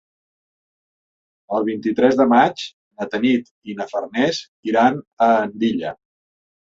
El vint-i-tres de maig na Tanit i na Farners iran a Andilla.